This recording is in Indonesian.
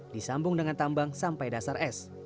disambung dengan tambang sampai dasar es